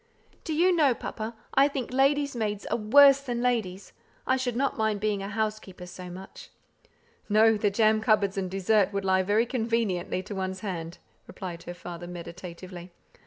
"Do you know, papa, I think lady's maids are worse than ladies. I should not mind being a housekeeper so much." "No! the jam cupboards and dessert would lie very conveniently to one's hand," replied her father, meditatively.